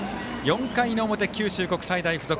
４回の表、九州国際大付属。